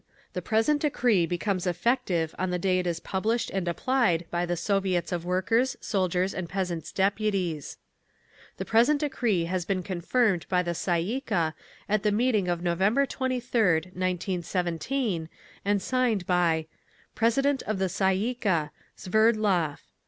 The present decree becomes effective on the day it is published and applied by the Soviets of Workers', Soldiers' and Peasants' Deputies. The present decree has been confirmed by the Tsay ee kah at the meeting of November 23d, 1917, and signed by: President of the Tsay ee kah, SVERDLOV.